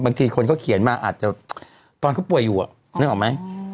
บางทีคนเขาเขียนมาอาจจะตอนเขาป่วยอยู่นึกออกไหม